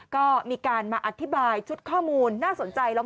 ก็มีการมาอธิบายชุดข้อมูลน่าสนใจ